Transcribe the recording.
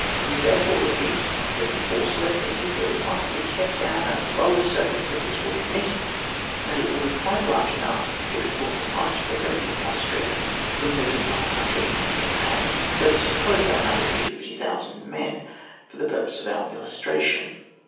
We therefore repeat that the force left in Italy must be kept down as low as circumstances will permit ; and it will be quite large enough if it will suffice to prevent the Austrians from losing the whole country in one campaign. Let us suppose that number to be 50,000 men for the purpose of our illustration.